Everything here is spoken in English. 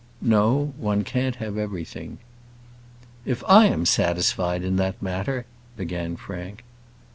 "No; one can't have everything." "If I am satisfied in that matter " began Frank.